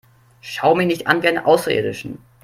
Schau mich nicht an wie einen Außerirdischen!